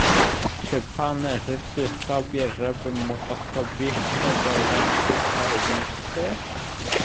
"Czy pan życzy sobie, żebym mu osobiście doręczył te listy?"